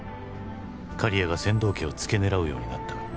「刈谷が千堂家をつけ狙うようになった」